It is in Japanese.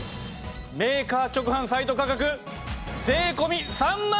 メーカー直販サイト価格税込３万３０００円です！